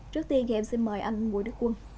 trước tiên thì em xin mời anh bùi đức quân